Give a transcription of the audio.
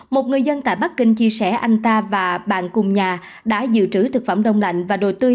một người dân tại bắc kinh chia sẻ anh ta và bạn cùng nhà đã dự trữ thực phẩm đông lạnh và đồ tươi